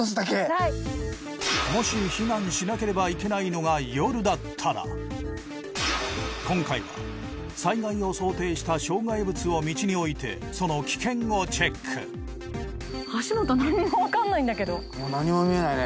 はいもし避難しなければいけないのが夜だったら今回は災害を想定した障害物を道に置いてその危険をチェック足元何にも分かんないんだけどもう何も見えないね